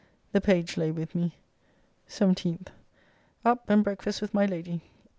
The page lay with me. 17th. Up, and breakfast with my Lady.